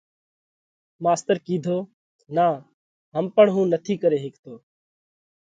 ماستر ڪِيڌو: نا هم پڻ هُون نٿِي ڪري هيڪتو۔